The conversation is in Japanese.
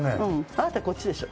あなたこっちでしょ。